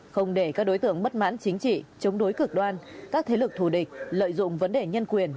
không để các đối tượng bất mãn chính trị chống đối cực đoan các thế lực thù địch lợi dụng vấn đề nhân quyền